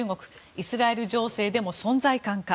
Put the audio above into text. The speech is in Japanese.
イスラエル情勢でも存在感か。